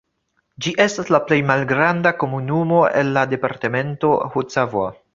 Ĝi estas la plej malgranda komunumo el la departemento Haute-Savoie.